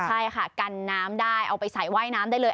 ใช่ค่ะกันน้ำได้เอาไปใส่ว่ายน้ำได้เลย